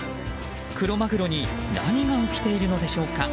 クロマグロに何が起きているのでしょうか。